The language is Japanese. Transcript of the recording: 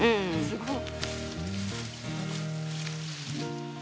すごい！